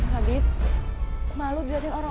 lagi lagi malu berarti orang